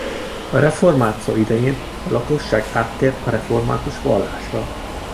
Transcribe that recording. A reformáció idején a lakosság áttért a református vallásra.